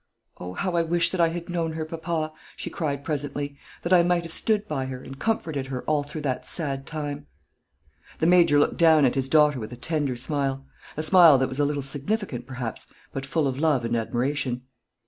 "Oh, how I wish that I had known her, papa," she cried presently, "that I might have stood by her, and comforted her, all through that sad time!" The Major looked down at his daughter with a tender smile, a smile that was a little significant, perhaps, but full of love and admiration.